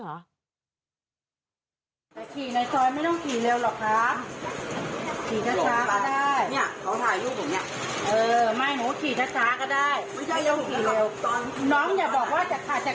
แต่ขี่ในซอยไม่ต้องขี่เร็วหรอกครับ